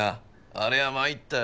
あれは参ったよ。